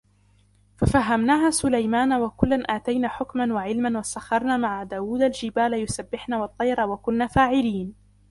فَفَهَّمْنَاهَا سُلَيْمَانَ وَكُلًّا آتَيْنَا حُكْمًا وَعِلْمًا وَسَخَّرْنَا مَعَ دَاوُودَ الْجِبَالَ يُسَبِّحْنَ وَالطَّيْرَ وَكُنَّا فَاعِلِينَ